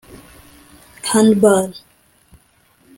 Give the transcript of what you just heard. Handball